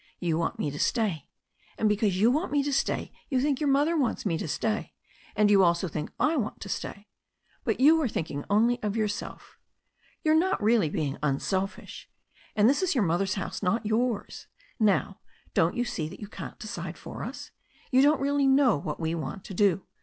"You want me to f stay, and because you want me to stay you think your mother wants me to stay, and you also think I want to stay* But you are thinking only of yourself. You are not really being unselfish. And this is your mother's house, not yours. Now, don't you see that you can't decide for us. You don't really kA>w what we want to do.